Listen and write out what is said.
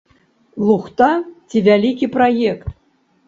Лухта ці вялікі праект?